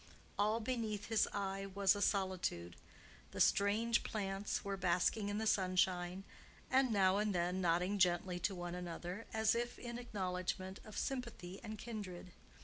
All beneath his eye was a solitude. The strange plants were basking in the sunshine, and now and then nodding gently to one another, as if in acknowledgment of sympathy and kindred.